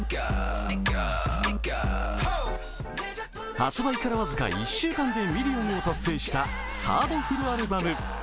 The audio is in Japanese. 発売から僅か１週間でミリオンを達成したサードフルアルバム。